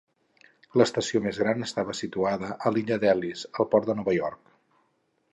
L'estació més gran estava situada a l'illa d'Ellis, al port de Nova York.